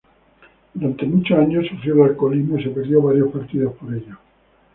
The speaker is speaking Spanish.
Durante muchos años sufrió el alcoholismo y se perdió varios partidos por ello.